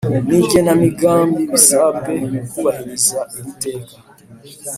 N igenamigambibasabwe kubahiriza iri teka